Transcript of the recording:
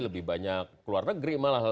lebih banyak keluar negeri malah